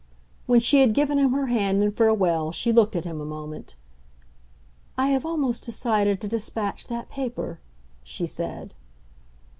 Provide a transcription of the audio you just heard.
When she had given him her hand in farewell she looked at him a moment. "I have almost decided to dispatch that paper," she said.